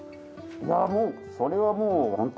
いやあもうそれはもうホント。